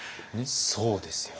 そうですよね。